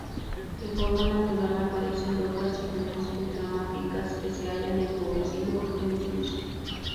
De forma natural aparece en rocas ígneas ultramáficas que se hayan empobrecido en sílice.